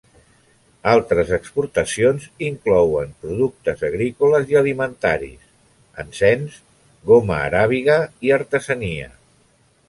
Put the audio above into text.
Altres exportacions inclouen productes agrícoles i alimentaris, encens, goma aràbiga, i artesania.